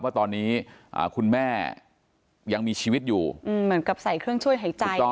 ว่าตอนนี้คุณแม่ยังมีชีวิตอยู่เหมือนกับใส่เครื่องช่วยหายใจ